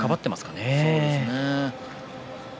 そうですね。